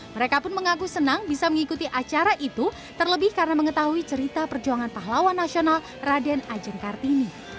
mereka pun mengaku senang bisa mengikuti acara itu terlebih karena mengetahui cerita perjuangan pahlawan nasional raden ajeng kartini